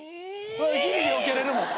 ギリでよけれるもん。